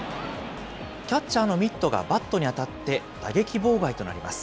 キャッチャーのミットがバッターに当たって、打撃妨害となります。